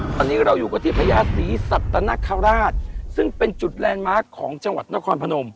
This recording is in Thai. ตอนนี้เราอยู่กันที่พญาศรีสัตนคราชซึ่งเป็นจุดแลนด์มาร์คของจังหวัดนครพนม